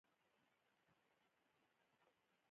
لاخوب وړی دپیړیو، له خوبونو راویښیږی